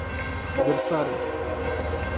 versarem